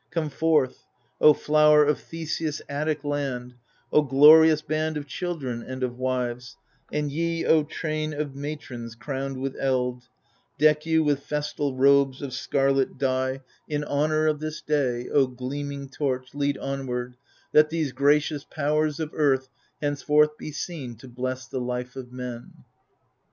Come forth, O flower of Theseus' Attic land, O glorious band of children and of wives, And ye, O train of matrons crowned with eld I Deck you with festal robes of scarlet dye i82 THE FURIES In honour of this day : O gleaming torch, Lead onward, that these gracious powers of earth Henceforth be seen to bless the life of men.